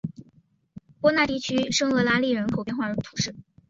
波讷地区圣厄拉利人口变化图示